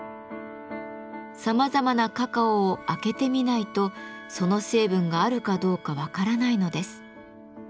さまざまなカカオを開けてみないとその成分があるかどうか分からないのです。